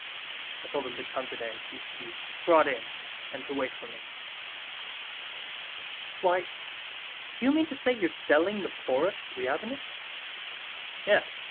I told him to come today, he's to be brought in and to wait for me...." "Why, do you mean to say you're selling the forest to Ryabinin?" "Yes.